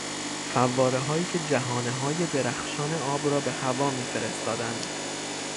فوارههایی که جهانههای درخشان آب را به هوا میفرستادند.